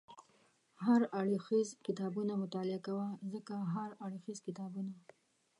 هر اړخیز کتابونه مطالعه کوه، ځکه هر اړخیز کتابونه